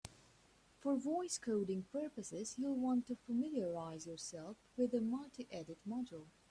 For voice coding purposes, you'll want to familiarize yourself with the multiedit module.